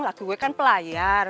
laki gue kan pelayar